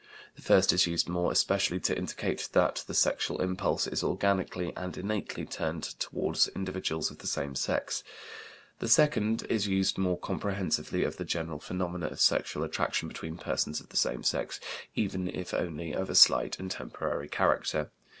The first is used more especially to indicate that the sexual impulse is organically and innately turned toward individuals of the same sex. The second is used more comprehensively of the general phenomena of sexual attraction between persons of the same sex, even if only of a slight and temporary character.